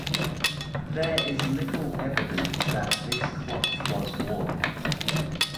There is little evidence that this cloth was worn.